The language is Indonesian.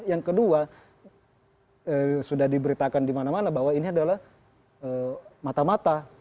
yang kedua sudah diberitakan di mana mana bahwa ini adalah mata mata